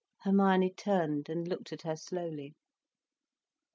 Hermione turned and looked at her slowly.